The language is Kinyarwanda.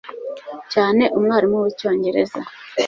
cyane umwarimu wicyongereza